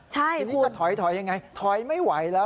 ทีนี้จะถอยถอยยังไงถอยไม่ไหวแล้ว